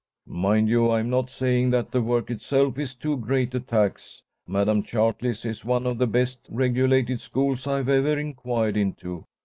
"Mind you, I am not saying that the work itself is too great a tax. Madam Chartley's is one of the best regulated schools I have ever inquired into.